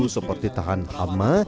seperti tahan hama